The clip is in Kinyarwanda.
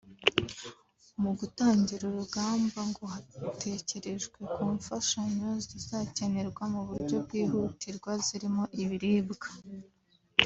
Mu gutangira urugamba ngo hatekerejwe ku mfashanyo zizakenerwa mu buryo bwihutirwa zirimo ibiribwa